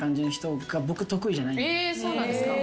そうなんですか。